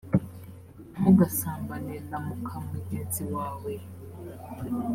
ntugasambane na muka mugenzi wawe